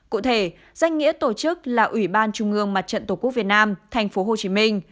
cụ thể danh nghĩa tổ chức là ủy ban trung ương mặt trận tổ quốc việt nam tp hcm